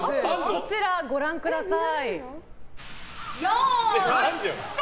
こちらご覧ください。